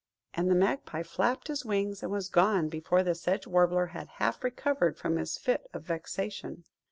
And the Magpie flapped his wings, and was gone before the Sedge Warbler had half recovered from his fit of vexation.